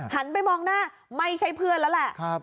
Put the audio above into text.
หันไปมองหน้าไม่ใช่เพื่อนแล้วแหละ